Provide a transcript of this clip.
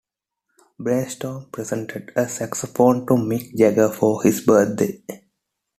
Brainstorm presented a saxophone to Mick Jagger for his birthday.